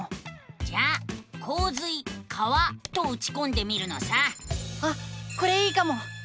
じゃあ「こう水川」とうちこんでみるのさ。あっこれいいかも。